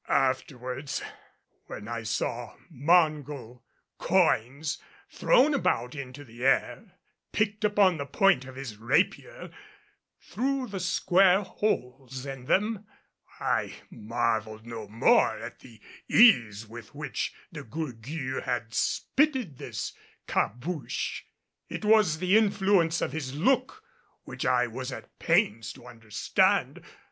Afterwards, when I saw Mongol coins, thrown about into the air, picked upon the point of his rapier, through the square holes in them, I marveled no more at the ease with which De Gourgues had spitted this Cabouche. It was the influence of his look which I was at pains to understand.